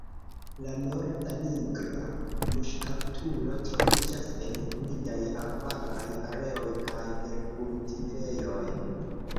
La Norda nigra muŝkaptulo troviĝas en humidaj arbaraj areoj kaj terkultivejoj.